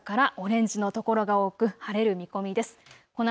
あすも朝からオレンジの所が多く晴れる見込みです。